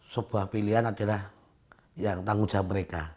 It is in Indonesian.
sebuah pilihan adalah yang tanggung jawab mereka